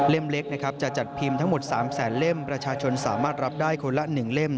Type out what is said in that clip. เล็กนะครับจะจัดพิมพ์ทั้งหมด๓แสนเล่มประชาชนสามารถรับได้คนละ๑เล่ม